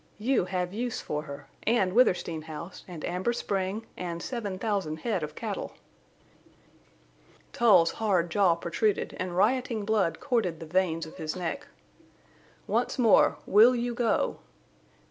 You have use for her—and Withersteen House and Amber Spring and seven thousand head of cattle!" Tull's hard jaw protruded, and rioting blood corded the veins of his neck. "Once more. Will you go?"